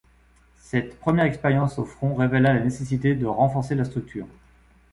Cette première expérience au front révéla la nécessité de renforcer la structure.